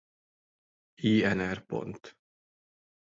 I Nr.